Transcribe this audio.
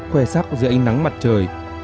khoe sắc giữa ánh nắng mặt trời